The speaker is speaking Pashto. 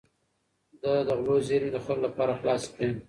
ده د غلو زېرمې د خلکو لپاره خلاصې کړې.